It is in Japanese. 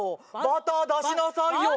バター出しなさいよ。